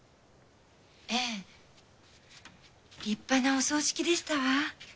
ええ立派なお葬式でしたわ。